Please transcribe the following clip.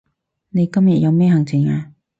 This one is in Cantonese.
你今日有咩行程啊